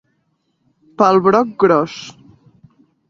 Pel broc gros.